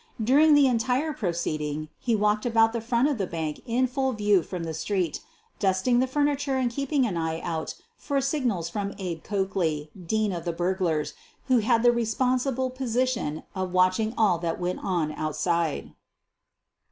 During the entire proceed ing, he walked about the front of the bank in full view from the street, dusting the furniture and keeping an eye out for signals from old Abe Coak ley, dean of the burglars, who had the responsible position of watching all that went on outside.